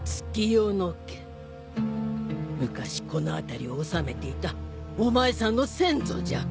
昔この辺りを治めていたお前さんの先祖じゃ。